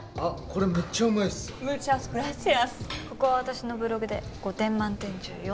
ここは私のブログで５点満点中４点なんで。